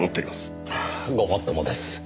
ごもっともです。